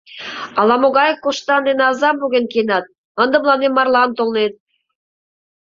Ала-могай коштан дене азам поген киенат, ынде мыланем марлан толнет!..